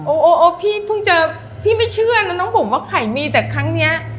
โอ้พี่เพิ่งจะพี่ไม่เชื่อนะน้องบุ๋มว่าไข่มีแต่ครั้งเนี้ย